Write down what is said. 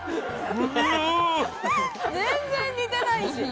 全然、似てないし！